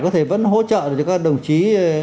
có thể vẫn hỗ trợ cho các đồng chí